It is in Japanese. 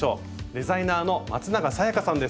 デザイナーのまつながさやかさんです。